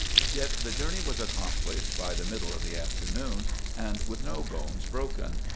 Yet the journey was accomplished by the middle of the afternoon, and with no bones broken.